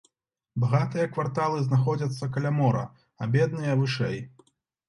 Багатыя кварталы знаходзяцца каля мора, а бедныя вышэй.